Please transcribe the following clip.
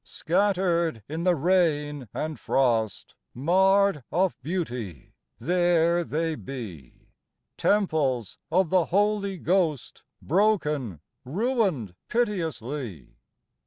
Scattered in the rain and frost, Marred of beauty, there they be, Temples of the Holy Ghost, Broken, ruined piteously.